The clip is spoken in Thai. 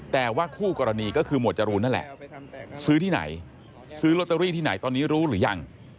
แต่ว่าคู่กรณีก็คือหมวดจรูนนั่นแหละซื้อที่ไหนซื้อลอตเตอรี่ที่ไหนตอนนี้รู้หรือยัง